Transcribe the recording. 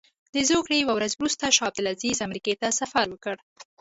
د زوکړې یوه ورځ وروسته شاه عبدالعزیز امریکې ته سفر وکړ.